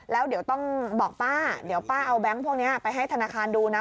แล้วเดี๋ยวต้องบอกป้าเอาแบงก์พวกนี้ไปให้ธนาคารดูนะ